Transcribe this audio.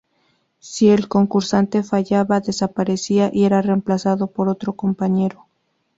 Si el concursante fallaba, desaparecía, y era remplazado por otro compañero.